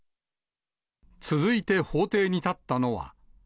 続いて法廷に立ったのは。